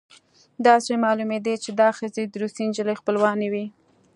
داسې معلومېده چې دا ښځې د روسۍ نجلۍ خپلوانې وې